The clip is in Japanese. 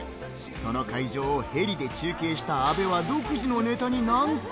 その会場を中継した阿部は独自のネタに難航。